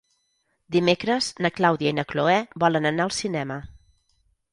Dimecres na Clàudia i na Cloè volen anar al cinema.